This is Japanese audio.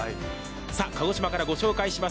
鹿児島から御紹介します